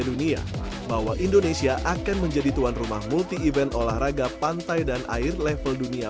dunia bahwa indonesia akan menjadi tuan rumah multi event olahraga pantai dan air level dunia